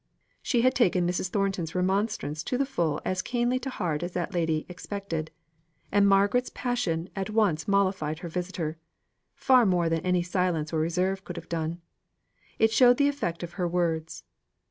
She had taken Mrs. Thornton's remonstrance to the full as keenly to heart as that lady expected; and Margaret's passion at once mollified her visitor, far more than any silence or reserve could have done. It showed the effect of her words.